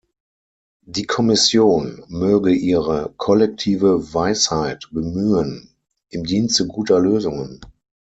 Die Kommission möge ihre kollektive Weisheit bemühen, im Dienste guter Lösungen.